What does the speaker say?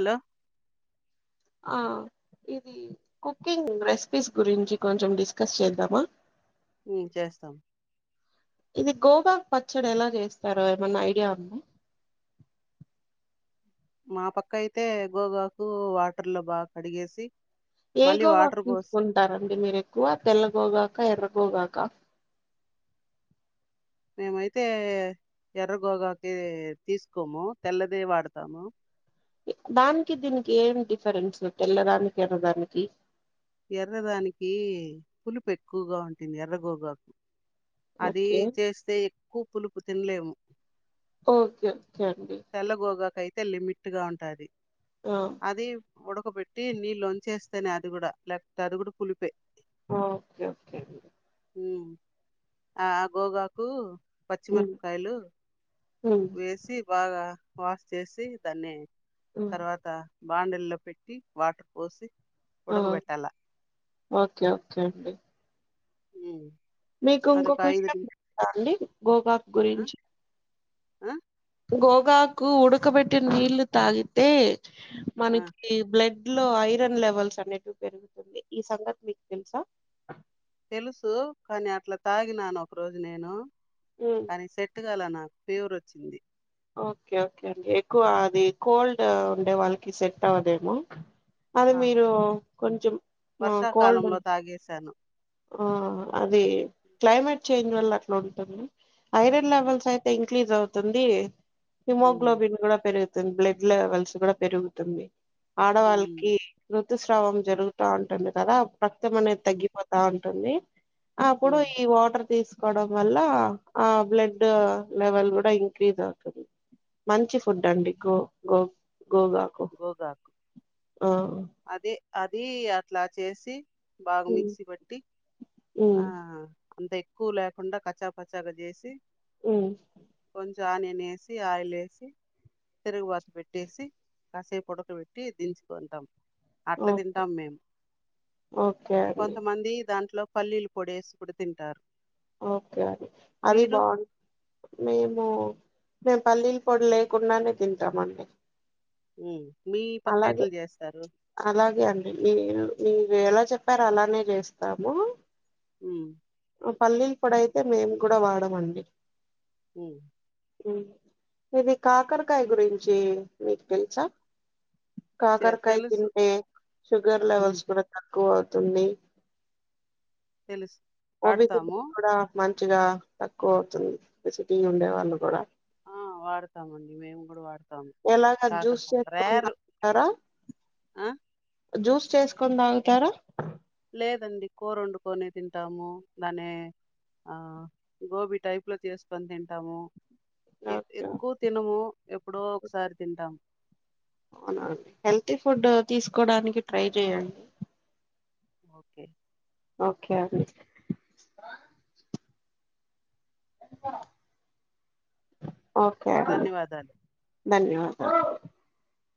Hello ఓ ఇది cooking recipes గురించి కొంచెం డిస్కస్ చేద్దామా ఉం చేస్తాం ఇది గోగాక్ పచ్చడి ఎలా చేస్తారో ఏమన్నా ఐడియా ఉంది మా పక్క అయితే గోగాకు వాటర్ లో బాగా కడిగేసి ఏ మళ్ళీ గోగాకు వాటర్ పోసి తీసుకుంటారండి మీరు ఎక్కువ తెల్ల గోగాక్ కాండ్రా గోగాక మేమైతే ఎర్ర గోగాకే తీసుకోము తెల్లదే వాడతాము దానికి దీనికి ఏం డిఫరెన్స్ తెల్లదానికి ఎర్రదానికి ఎర్రదానికి పులుపు ఎక్కువగా ఉంటుంది ఎర్రగోగాకు అది ఓకే చేస్తే ఎక్కువ పులుపు తినలేము ఓకే ఓకే ఓకే అండి. ఇది అయితే లిమిట్ గా ఉంటది ఆ అది ఉడకబెట్టి నీళ్ళు వంచేస్తేనే అది గుడా లేకపోతే అది గుడ పులుపే ఓకే ఓకే అండి ఉమ్ ఆ గోగాకు ఉమ్ పచ్చిమిరపకాయలు ఉమ్ వేసి బాగ్ గా వాష్ చేసి దాన్ని ఉమ్ తర్వాత బాండీల్లో పెట్టి వాటర్ పోసి ఆ ఉడకబెట్టాల ఓకే ఓకే అండి ఉమ్. మీకు అదొక ఇంకొక ఐదు విషయం ని- తెలుసా అండి గోకాక్ గురించి అ గోగాకు ఉడకబెట్టిన్ నీళ్లు తాగితే ఆ. మనకి బ్లడ్ ఒంట్లో ఐరన్ లెవెల్స్ అనేవి పెరుగుతుంది ఈ సంగతి మీకు తెలుసా తెలుసు కానీ అట్లా తాగినాను ఒక రోజు నేను ఉమ్, కానీ సెట్ గాల నాకు ఫీవర్ వచ్చింది ఓకే ఓకే అండి ఎక్కువ అది కోల్డ్ ఉండే వాళ్ళకి సెట్ అవ్వదేమో అది ఆ, మీరు కొంచెం కోల్డ్ వర్షాకాలంలో తాగేశాను హా అది క్లైమేట్ చేంజ్ వల్ల అట్లా ఉంటది ఐరన్ అవును లెవెల్స్ అయితే ఇంక్రిజ్ అవు తుంది ఉమ్, హిమోగ్లోబిన్ కూడా పెరుగు బ్లడ్ లెవెల్స్ కూడ పెరుగుతుంది ఉమ్, ఆడవాళ్ళకి ఋతుస్రావం ఉమ్, జరుగుతంటుంది పత్తెం అనేది ఉమ్, తగ్గి పోతు తా ఉంటుంది అప్పుడు ఉమ్. ఈ వాటర్ తీసుకు కోవడం వల్ల ఆ బ్లడ్ లెవెల్ కూడా ఇంక్రీజ్ అవుతుంది. మంచి ఫుడ్ అండి గో గో గోగాకు గోగాకు ఆహ్ అదే అది అట్లా చేసి బాగు ఉమ్ మిక్సీ పట్టి ఉమ్ ఆహ్ అంత ఎక్కువ లేకుండా కచాపచాగా చేసి ఉహ్ కొంచెం అనియన్ ఎసి ఆయిల్ లేసి తిరుగుబా పెట్టేసి కాసేపు ఉడకపెట్టి దించుకుంటాం. అట్లా ఓ- తింటాం మేము. ఓకే అండి కొంతమంది దాంట్లో పల్లీలు పోడేసి కూడా తింటారు. ఓకే అండి. అది మీరు బావుం మేము మేము పల్లీలు పొడి లేకుండానే తింటాం అండి. ఉహ్ హు అలాగే అలాగే అండి మీ మీరు ఎలా చెప్ చెప్పారో అలానే చేస్తాము. ఉహ్మ్మ్ ఆ పల్లీల పొడి అయితే మేము కూడా వాడమండి. ఉహ్ ఉహ్ ఇది కాకరకాయ గురించి. మీకు తెలుసా? చే- కాకర్కాయ తెలుసు తింటే శుగర్ ఉమ్, లెవల్స్ కూడా తగ్గు కు అవుతుంది తెలుచూ [unintelligible] మంచిగా తక్కువ అవుతుంది. ఫెసిపిటీ ఉండే వాళ్ళు కూడా ఆ వాడతామండి మేము కూడా వాడుతాము. ఎలాగ జ్యూస్ కాకరకాలు చేసుకొని రేరు తాగుతారా ఆహ్ జ్యూస్ చేసుకొని తాగుతారా? లేదండి కూర వండుకని తింటాము. దానే ఆ గోబీ టైప్ లో చేసుకొని తింటాము. ఓకే ఎక్కువ తినము ఎప్పుడో ఒకసారి తింటాము. అవునండి హెల్తీ ఫుడ్ తీసుకోడానికి ట్రై చేయండి. ఓకే ఓకే అండి ఏం కూర ధన్యవాదాలు ధన్యవాదాలు